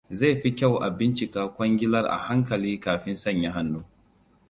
Zai fi kyau a bincika kwangilar a hankali kafin sanya hannu.